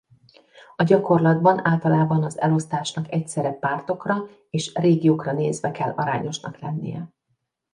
A gyakorlatban általában az elosztásnak egyszerre pártokra és régiókra nézve kell arányosnak lennie.